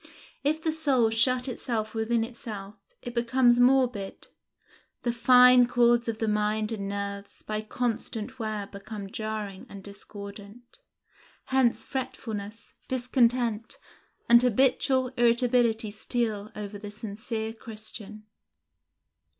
If the soul shut itself within itself, it becomes morbid; the fine chords of the mind and nerves by constant wear become jarring and discordant; hence fretfulness, discontent, and habitual irritability steal over the sincere Christian.